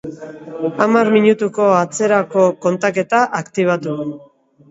Hamar minutuko atzerako kontaketa aktibatu